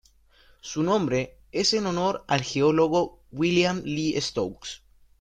Su nombre es en honor al geólogo William Lee Stokes.